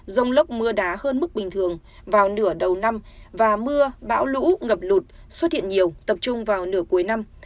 rông lốc mưa đá hơn mức bình thường vào nửa đầu năm và mưa bão lũ ngập lụt xuất hiện nhiều tập trung vào nửa cuối năm